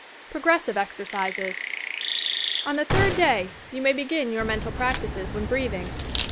PROGRESSIVE EXERCISES On the third day, you may begin your mental prac tices when breathing.